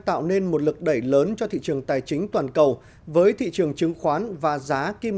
tạo nên một lực đẩy lớn cho thị trường tài chính toàn cầu với thị trường chứng khoán và giá kim